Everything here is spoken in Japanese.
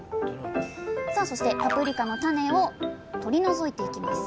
さあそしてパプリカの種を取り除いていきます。